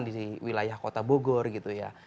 di wilayah kota bogor gitu ya